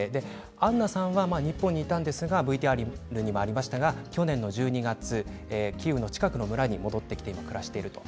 アンナさんは日本にいたんですがＶＴＲにもありましたように去年の１２月キーウの近くの村に戻って生活しています。